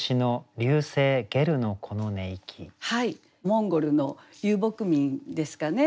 モンゴルの遊牧民ですかね。